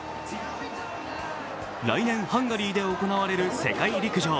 来年、ハンガリーで行われる世界陸上。